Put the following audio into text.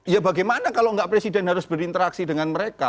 ya bagaimana kalau nggak presiden harus berinteraksi dengan mereka